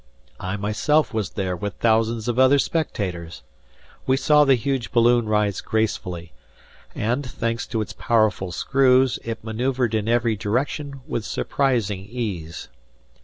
I myself was there with thousands of other spectators. We saw the huge balloon rise gracefully; and, thanks to its powerful screws, it maneuvered in every direction with surprising ease.